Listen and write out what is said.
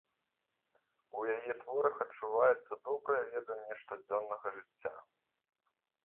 У яе творах адчуваецца добрае веданне штодзённага жыцця.